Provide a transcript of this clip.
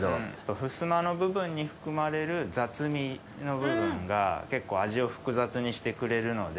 ふすまの部分に含まれる雑味の部分が結構味を複雑にしてくれるので。